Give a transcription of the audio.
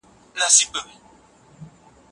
هغه د واکمنۍ لپاره ځان ذهناً چمتو ساته.